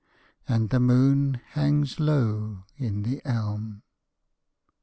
_And the moon hangs low in the elm.